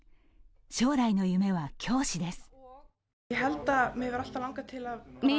将来の夢は教師です。